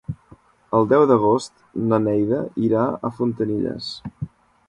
El deu d'agost na Neida irà a Fontanilles.